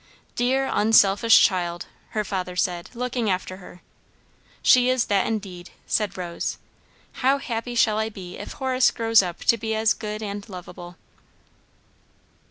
"Dear unselfish child!" her father said, looking after her. "She is that indeed," said Rose. "How happy, shall I be if Horace grows up to be as good and lovable."